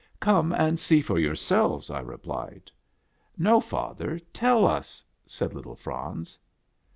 Come and see for yourselves," I replied. " No. father, tell us," said little Franz.